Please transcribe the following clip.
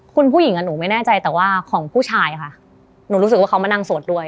คุณผู้หญิงอ่ะหนูไม่แน่ใจแต่ว่าของผู้ชายค่ะหนูรู้สึกว่าเขามานั่งสวดด้วย